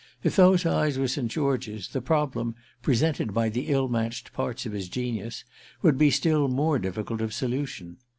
If those eyes were St. George's the problem, presented by the ill matched parts of his genius would be still more difficult of solution.